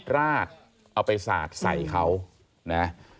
ราดเอาไปสาดใส่เขานะ